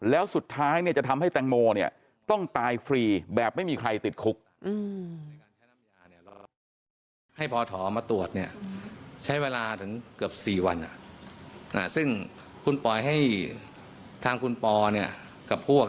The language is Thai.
แล้วสุดท้ายเนี่ยจะทำให้แตงโมเนี่ยต้องตายฟรีแบบไม่มีใครติดคุก